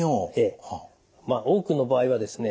多くの場合はですね